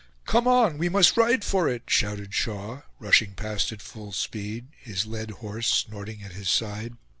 "Come on; we must ride for it!" shouted Shaw, rushing past at full speed, his led horse snorting at his side.